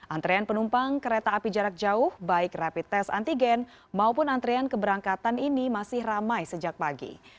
antrean penumpang kereta api jarak jauh baik rapid test antigen maupun antrean keberangkatan ini masih ramai sejak pagi